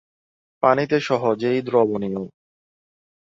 পানিতে সহজেই দ্রবনীয়।